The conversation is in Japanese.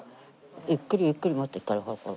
ゆっくりゆっくり持っていったらそうそう。